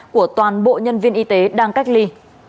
của toàn bộ nhân viên y tế đang cách ly